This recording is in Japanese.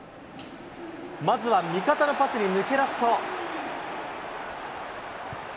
まずは味方のパスに抜け出すと。